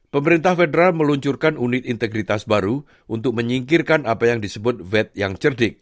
pemerintah federal meluncurkan unit integritas baru untuk menyingkirkan apa yang disebut ved yang cerdik